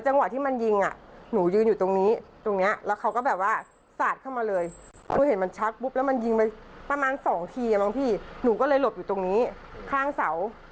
นั่งอ่ะมันไม่พ้นแน่